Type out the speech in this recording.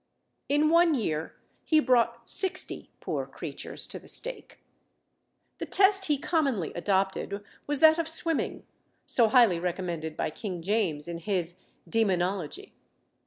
In one year he brought sixty poor creatures to the stake. The test he commonly adopted was that of swimming, so highly recommended by King James in his Demonologie.